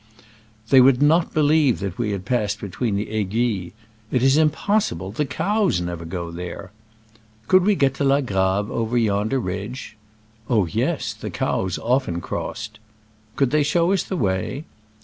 • They would not believe that we had passed between the Aiguilles :'* It is impossible, the cows never go there." " Could we get to La Grave over yonder ridge ?" "Oh yes ! the cows often cross ed !" Could they show us the way